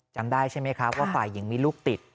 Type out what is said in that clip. จำได้ใช่ไหมครับว่าฝ่ายหญิงมีลูกติด